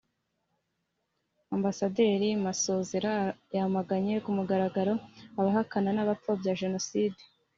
Ambasaderi Masozera yamaganye ku mugaragaro abahakana n’abapfobya Jenoside